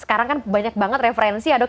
sekarang kan banyak banget referensi ya dok